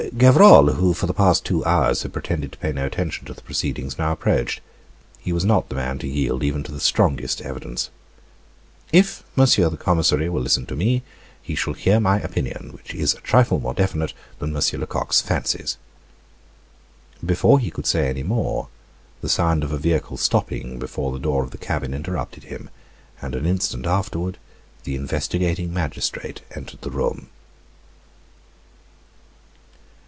Gevrol, who for the past two hours had pretended to pay no attention to the proceedings, now approached. He was not the man to yield even to the strongest evidence. "If Monsieur, the Commissary, will listen to me, he shall hear my opinion, which is a trifle more definite than M. Lecoq's fancies." Before he could say any more, the sound of a vehicle stopping before the door of the cabin interrupted him, and an instant afterward the investigating magistrate entered the room.